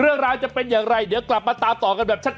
เรื่องราวจะเป็นอย่างไรเดี๋ยวกลับมาตามต่อกันแบบชัด